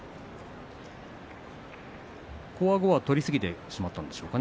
こわごわ取りすぎてしまったんでしょうか。